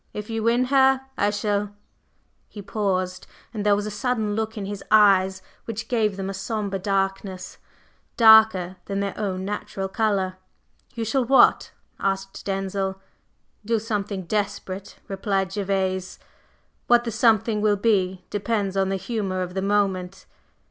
If you win her, I shall …" He paused, and there was a sudden look in his eyes which gave them a sombre darkness, darker than their own natural color. "You shall what?" asked Denzil. "Do something desperate," replied Gervase. "What the something will be depends on the humor of the moment.